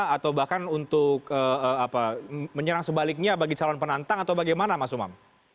atau bahkan untuk menyerang sebaliknya bagi calon penantang atau bagaimana mas umam